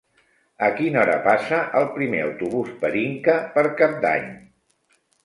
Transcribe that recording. A quina hora passa el primer autobús per Inca per Cap d'Any?